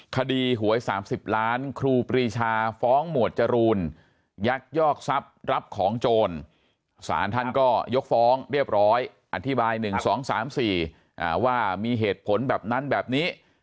คดีหวย๓๐ล้านครูปรีชาฟ้องหมวดจรูนยักยอกทรัพย์รับของโจรสารท่านก็ยกฟ้องเรียบร้อยอธิบาย๑๒๓๔ว่ามีเหตุผลแบบนั้นแบบนี้